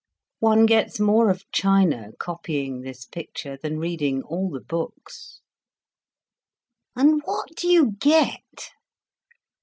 "One gets more of China, copying this picture, than reading all the books." "And what do you get?"